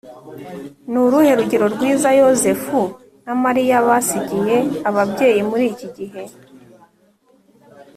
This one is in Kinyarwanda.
ni uruhe rugero rwiza Yozefu na Mariya basigiye ababyeyi muri iki gihe